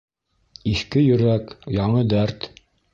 Иҫке Йөрәк, яңы дәрт.